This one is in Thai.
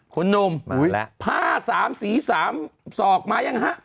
คุณหนุ่มผ้า๓สี๓ศอกมายังฮะ